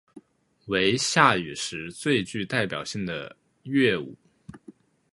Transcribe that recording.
为夏禹时最具代表性的乐舞。